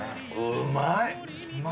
うまい。